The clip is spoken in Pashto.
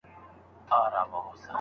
چي پراته دي دا ستا تروم په موږ وژلي